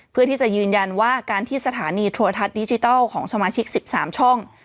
เพื่อที่จะยืนยันว่าการที่สถานีโทรทัศน์ดิจิทัลของสมาชิก๑๓ช่อง